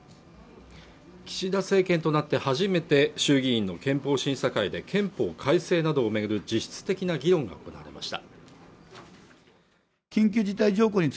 岸田政権となって初めて衆議院の憲法審査会で憲法改正などを巡る実質的な議論が行われました